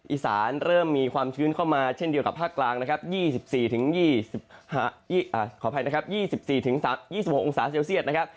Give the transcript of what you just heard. อีสานเริ่มมีความชื้นเข้ามาเช่นเดียวกับภาคกลางนะครับ๒๔๒๖องศาเซลเซียสนะครับ